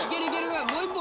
もう一本！